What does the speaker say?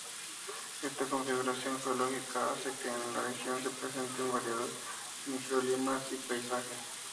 Esta configuración geológica hace que en la región se presenten variados microclimas y paisajes.